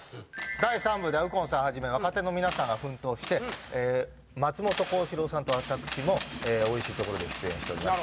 第三部では右近さんはじめ若手の皆さんが奮闘して松本幸四郎さんと私もおいしいところで出演しております